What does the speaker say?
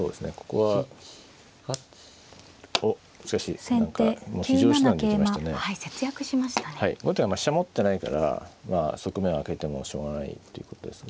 はい後手は飛車持ってないから側面空けてもしょうがないっていうことですが。